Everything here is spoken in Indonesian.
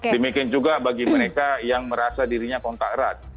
demikian juga bagi mereka yang merasa dirinya kontak erat